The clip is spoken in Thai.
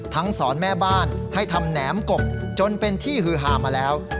สอนแม่บ้านให้ทำแหนมกบจนเป็นที่ฮือหามาแล้ว